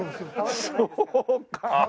そうか。